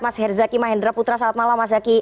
mas herzaki mahendra putra salam malam mas zaki